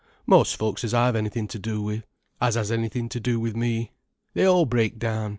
"Most folks as I've anything to do with—as has anything to do with me. They all break down.